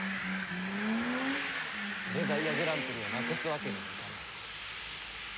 デザイアグランプリをなくすわけにはいかない。